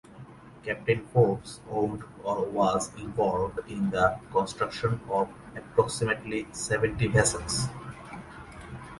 Captain Forbes owned or was involved in the construction of approximately seventy vessels.